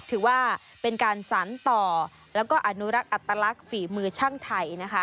ถือว่าเป็นการสรรต่อแล้วก็อนุรักษ์อัตลักษณ์ฝีมือช่างไทยนะคะ